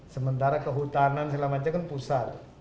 sementara kehutanan selama ini kan pusat